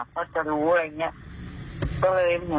แบบจะรู้